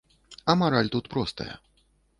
А мараль тут простая.